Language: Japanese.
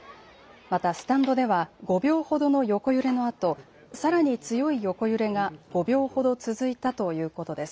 またスタンドでは５秒ほどの横揺れのあとさらに強い横揺れが５秒ほど続いたということです。